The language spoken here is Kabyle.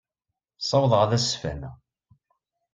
Ssawḍeɣ ad as-sfehmeɣ.